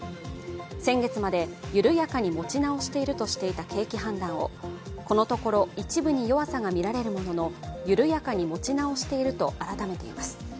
先月まで緩やかに持ち直しているとしていた景気判断をこのところ一部に弱さが見られるものの緩やかに持ち直していると改めています。